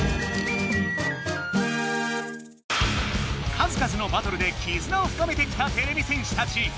かずかずのバトルできずなを深めてきたてれび戦士たち。